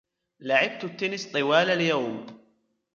لعبت التنس طوال اليوم.